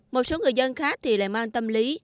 một số người dân khác thì lại mang tâm lý